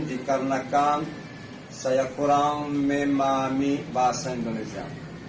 dikarenakan saya kurang memahami bahasa indonesia